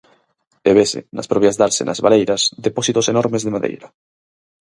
E vese, nas propias dársenas baleiras, depósitos enormes de madeira.